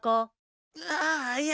ああいや